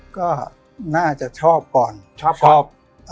ก็น่าจะชอบก่อนชอบ